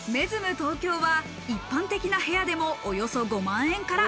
東京は一般的な部屋でもおよそ５万円から。